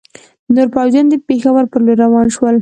نور پوځیان د پېښور پر لور روان شول.